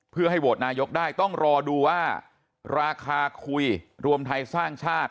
เพื่อให้โหวตนายกได้ต้องรอดูว่าราคาคุยรวมไทยสร้างชาติ